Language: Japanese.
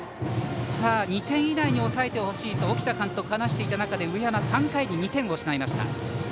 ２点以内に抑えてほしいと沖田監督、話していた中で上山、３回に２点を失いました。